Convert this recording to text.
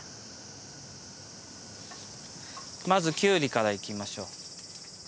まずきゅうりからいきましょう。